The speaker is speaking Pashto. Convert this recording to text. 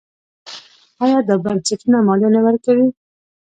آیا دا بنسټونه مالیه نه ورکوي؟